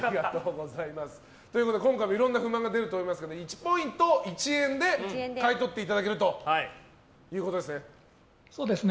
今回も、いろんな不満が出ると思いますけど１ポイント１円で買い取っていただけるということですね。